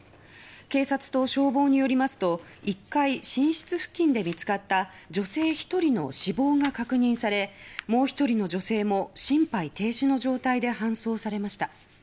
警察と消防によりますと１階寝室付近で見つかった女性１人の死亡が確認されもう１人の女性も心肺停止の状態で搬送されました。